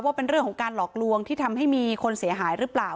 ว่าเป็นเรื่องของการหลอกลวงที่ทำให้มีคนเสียหายหรือเปล่า